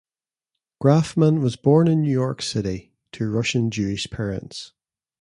Graffman was born in New York City to Russian-Jewish parents.